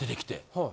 はい。